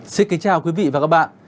xin kính chào quý vị và các bạn